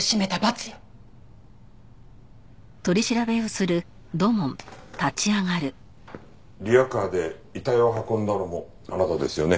リヤカーで遺体を運んだのもあなたですよね？